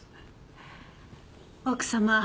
奥様